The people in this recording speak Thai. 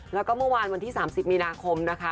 แล้วก็เมื่อวานวันที่๓๐มีนาคมนะคะ